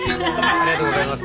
ありがとうございます。